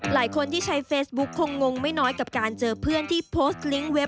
หลายคนที่ใช้เฟซบุ๊คคงงไม่น้อยกับการเจอเพื่อนที่โพสต์กลิงก์เว็บ